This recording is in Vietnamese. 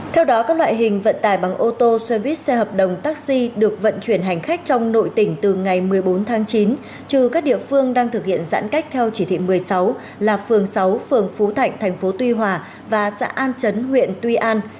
theo đó các loại hình vận tải bằng ô tô xe buýt xe hợp đồng taxi được vận chuyển hành khách trong nội tỉnh từ ngày một mươi bốn tháng chín trừ các địa phương đang thực hiện giãn cách theo chỉ thị một mươi sáu là phường sáu phường phú thạnh tp tuy hòa và xã an chấn huyện tuy an